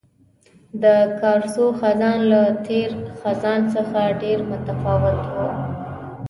د کارسو خزان له تېر خزان څخه ډېر متفاوت وو.